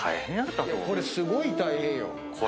これすごい大変よ。